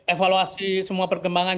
evaluasi semua perkembangan